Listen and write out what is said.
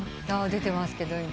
出てますけど今。